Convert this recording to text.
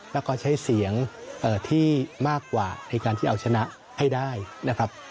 แล้วก็ใช้เสียงที่มากกว่าในการที่เอาชนะให้ได้นะครับ